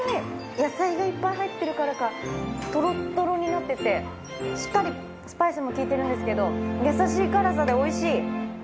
野菜がいっぱい入ってるからか、とろっとろになってて、しっかりスパイスも効いてるんですけど、優しい辛さでおいしい。